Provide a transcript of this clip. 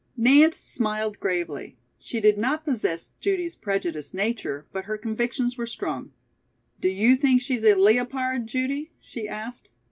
'" Nance smiled gravely. She did not possess Judy's prejudiced nature, but her convictions were strong. "Do you think she's a 'le o pard,' Judy?" she asked.